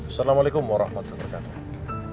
assalamualaikum warahmatullahi wabarakatuh